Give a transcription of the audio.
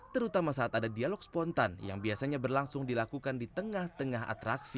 terutama saat ada dialog spontan yang biasanya berlangsung dilakukan di tengah tengah atraksi